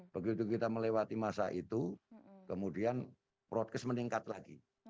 begitu kita melewati masa itu kemudian protes meningkat lagi